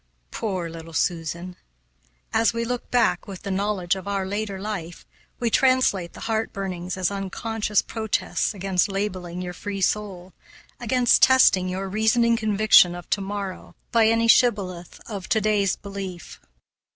Poor little Susan! As we look back with the knowledge of our later life, we translate the heart burnings as unconscious protests against labeling your free soul, against testing your reasoning conviction of to morrow by any shibboleth of to day's belief.